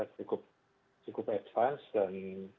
cukup advance dan